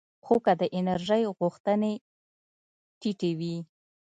خو که د انرژۍ غوښتنې ټیټې وي